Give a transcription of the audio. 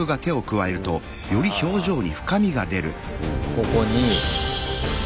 ここに。